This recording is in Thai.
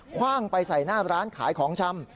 ว่างไปใส่หน้าร้านขายของชำ